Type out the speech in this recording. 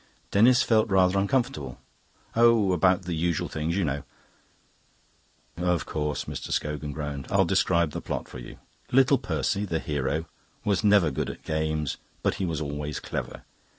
Denis felt rather uncomfortable. "Oh, about the usual things, you know." "Of course," Mr. Scogan groaned. "I'll describe the plot for you. Little Percy, the hero, was never good at games, but he was always clever.